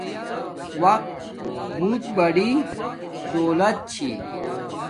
وقت بوت بڑی دولت چھی